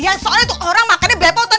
ya soalnya tuh orang makannya blepotan